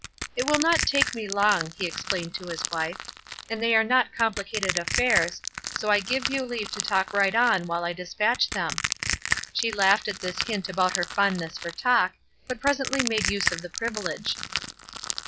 "It will not take me long," he explained to his wife, "and they are not complicated affairs, so I give you leave to talk right on while I dispatch them." She laughed at this hint about her fondness for talk, but presently made use of the privilege.